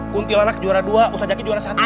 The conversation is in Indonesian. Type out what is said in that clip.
kuntilanak juara dua ustadz zaky juara satu